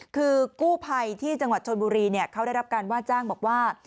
คือกู้ภัยที่จังหวัดชนบุรีเขาได้รับการว่าจ้างบอกว่า